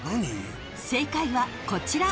［正解はこちら］